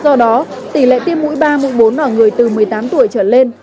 do đó tỷ lệ tiêm mũi ba mũi bốn ở người từ một mươi tám tuổi trở lên